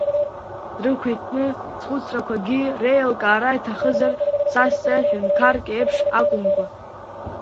Дрықәиҭны схәыцрақәагьы реилкаара иҭахызар, дсазҵааит ҳәынҭқарк иеиԥш акәымкәа.